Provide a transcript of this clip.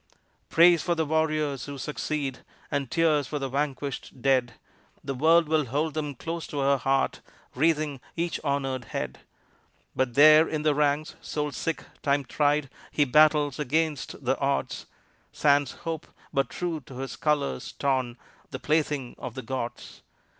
Praise for the warriors who succeed, and tears for the vanquished dead; The world will hold them close to her heart, wreathing each honored head, But there in the ranks, soul sick, time tried, he battles against the odds, Sans hope, but true to his colors torn, the plaything of the gods!